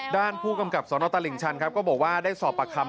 ด้านผู้กำกับสนตลิ่งชันครับก็บอกว่าได้สอบปากคำ